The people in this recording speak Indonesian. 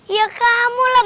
ya kamu lah